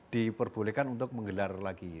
diperbolehkan untuk menggelar lagi